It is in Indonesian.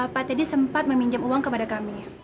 pak teddy sempat meminjam uang kepada kami